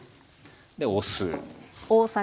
でお酢。